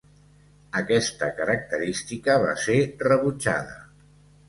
Aquesta característica va ser rebutjada.